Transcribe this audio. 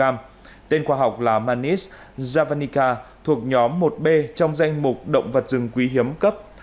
các cá thể khoa học là manis javanica thuộc nhóm một b trong danh mục động vật rừng quý hiếm cấp